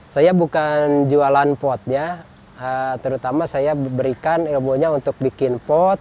saya bukan jualan potnya terutama saya berikan ilmunya untuk bikin pot